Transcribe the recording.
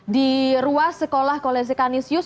di ruas sekolah kolej sekanisius